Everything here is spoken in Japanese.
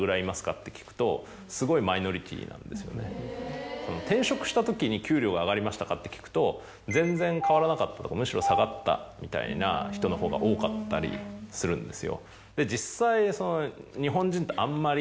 って聞くとすごい。って聞くと全然変わらなかったとかむしろ下がったみたいな人のほうが多かったりするんですよ。